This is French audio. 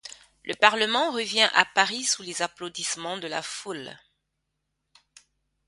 Le parlement revient à Paris sous les applaudissements de la foule.